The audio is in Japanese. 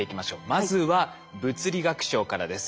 まずは物理学賞からです。